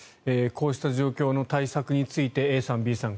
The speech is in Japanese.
こうした状況の対策についてＡさん、Ｂさん